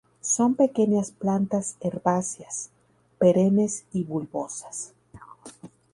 Son pequeñas plantas herbáceas, perennes y bulbosas.